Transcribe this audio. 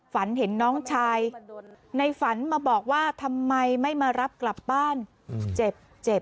ฝันเห็นน้องชายในฝันมาบอกว่าทำไมไม่มารับกลับบ้านเจ็บเจ็บ